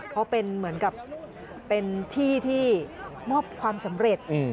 เขาเป็นเหมือนกับเป็นที่ที่มอบความสำเร็จ